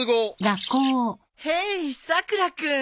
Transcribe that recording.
ヘイさくら君